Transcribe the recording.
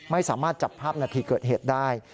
ไม่สามารถจับภาพนาทีเกิดเหตุได้